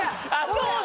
そうだ！